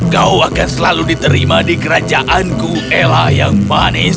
kau akan selalu diterima di kerajaanku ella yang manis